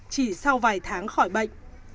chỉ sau vài tháng khỏi bệnh